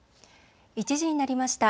１時になりました。